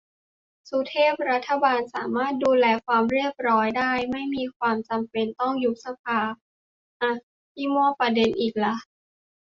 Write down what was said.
สุเทพ :"รัฐบาลสามารถดูแลความเรียบร้อยได้ ไม่มีความจำเป็นต้องยุบสภา" อ่ะ พี่มั่วประเด็นอีกละ